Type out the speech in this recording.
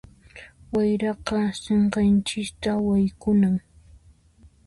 Wayraqa sinqanchista haykunan.